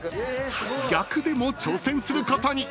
［逆でも挑戦することに］